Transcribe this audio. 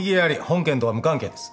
本件とは無関係です。